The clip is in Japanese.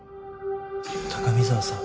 高見沢さん。